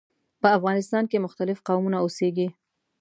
په افغانستان کې مختلف قومونه اوسیږي.